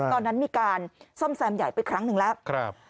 ตอนนั้นมีการซ่อมแซมใหญ่ไปครั้งหนึ่งแล้ว